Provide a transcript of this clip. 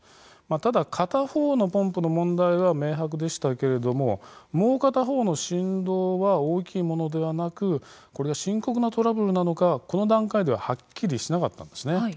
ただ、片方のポンプの問題は明白でしたけれどももう片方の振動は大きいものではなくこれが深刻なトラブルなのかはこの段階でははっきりしなかったんです。